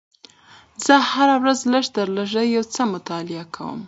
زه هره ورځ لږ تر لږه یو څه مطالعه کوم